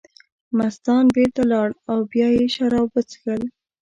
مستان بېرته لاړل او بیا یې شراب وڅښل.